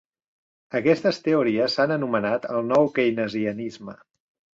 Aquestes teories s'han anomenat el nou Keynesianisme.